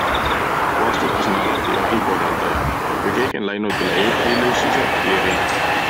Vastutus on alati jahi korraldajal, kui keegi on läinud üle eetilisuse piiri.